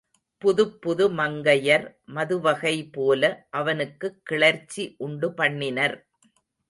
புதுப்புது மங்கையர் மதுவகைபோல அவனுக்குக் கிளர்ச்சி உண்டு பண்ணினர்.